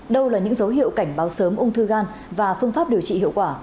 đâu là những dấu hiệu cảnh báo sớm ung thư gan và phương pháp điều trị hiệu quả